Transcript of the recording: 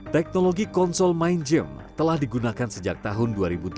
teknologi konsol mind gym telah digunakan sejak tahun dua ribu delapan